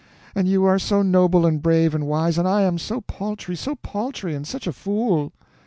—and you are so noble and brave and wise, and I am so paltry—so paltry and such a fool!"